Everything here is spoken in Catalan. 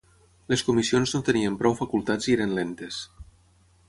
Les comissions no tenien prou facultats i eren lentes.